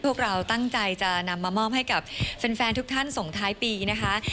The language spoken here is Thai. พวกเราตั้งใจจะนำมามอบให้กับแฟนทุกท่านส่งท้ายปีนะคะ